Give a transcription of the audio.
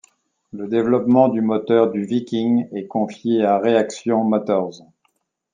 Le développement du moteur du Viking est confié à Reaction Motors.